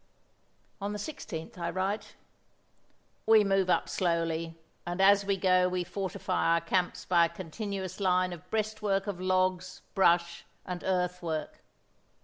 On the 16th I write: "We move up slowly, and as we go we fortify our camps by a continuous line of breastworks of logs, brush, and earthwork.